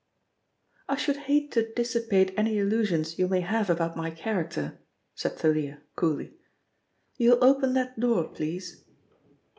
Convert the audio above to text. "I should hate to dissipate any illusions you may have about my character," said Thalia coolly. "You'll open that door, please."